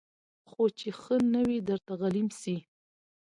خو چي ښه نه وي درته غلیم سي